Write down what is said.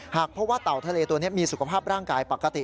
หากพบว่าเต่าทะเลตัวนี้มีสุขภาพร่างกายปกติ